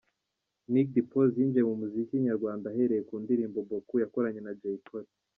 Nick Dimpoz yinjiye mu muziki nyarwanda ahereye ku ndirimbo 'Beaucoup’ yakoranye na Jay Polly.